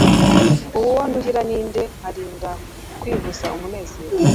ubu uwo nduhira ni nde, nkarinda kwibuza umunezero